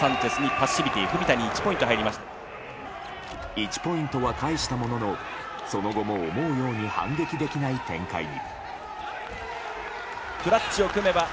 １ポイントは返したもののその後も思うように反撃できない展開に。